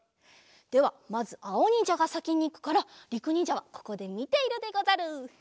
ではまずあおにんじゃがさきにいくからりくにんじゃはここでみているでござる！